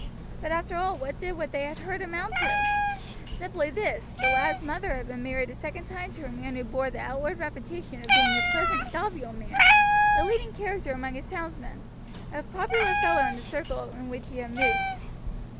But after all what did what they had heard amount to? simply this, the lad's mother had been married a second time to a man who bore the outward reputation of being a pleasant, jovial man, a leading character among his townsmen, a popular fellow in the circle in which he moved.